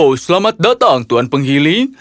oh selamat datang tuan penghiling